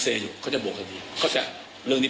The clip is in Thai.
เขาก็จะยุติกายมากันได้